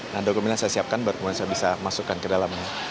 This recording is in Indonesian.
nah dokumen yang saya siapkan baru kemudian saya bisa masukkan ke dalamnya